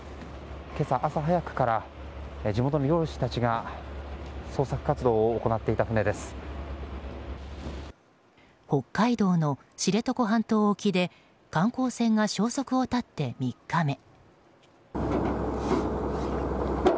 今朝、朝早くから地元の漁師たちが北海道の知床半島沖で観光船が消息を絶って３日目。